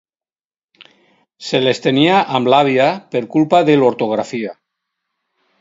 Se les tenia amb l'àvia per culpa de l'ortografia.